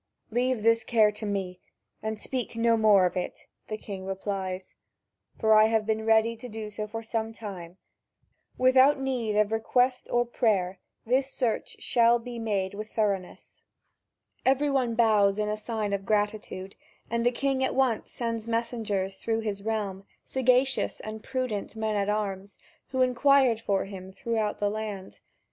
"Leave this care to me, and speak no more of it," the king replies, "for I have been ready to do so for some time. Without need of request or prayer this search shall be made with thoroughness." Everyone bows in sign of gratitude, and the king at once sends messengers through his realm, sagacious and prudent men at arms, who inquired for him throughout the land.